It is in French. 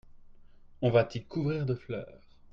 On va t'y couvrir de fleurs.